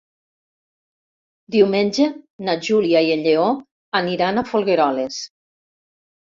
Diumenge na Júlia i en Lleó aniran a Folgueroles.